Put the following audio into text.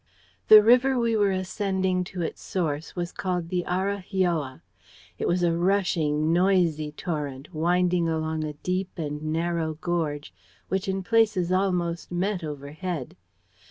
"The river we were ascending to its source was called the Araheoa. It was a rushing, noisy torrent, winding along a deep and narrow gorge, which in places almost met overhead.